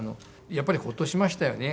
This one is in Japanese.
やっぱりホッとしましたよね。